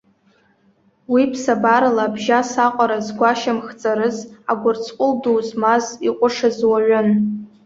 Уи ԥсабарала абжьас аҟара згәашьамх ҵарыз, агәырҵҟәыл ду змаз, иҟәышыз уаҩын.